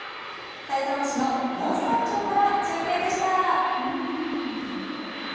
さいたま市の盆栽町から中継でした。